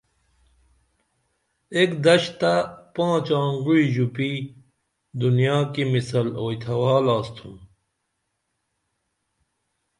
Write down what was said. ایک دشتہ پانچ آنگوعی ژوپی دنیا کی مِثال اوئی تھوال آستُھم